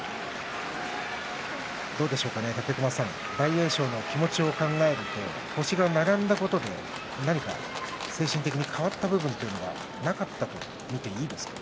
どうでしょうかね、武隈さん大栄翔の気持ちを考えると星が並んだことで何か精神的に変わった部分というのはなかったと見ていいですか？